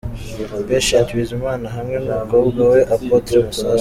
Patient Bizimana hamwe n'umukobwa wa Apotre Masasu.